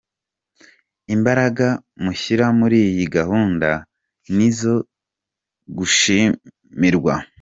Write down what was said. Imbaraga mushyira muri iyi gahunda ni izo gushimirwa.”